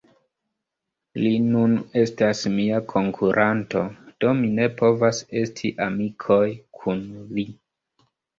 Li nun estas mia konkuranto... do mi ne povas esti amikoj kun li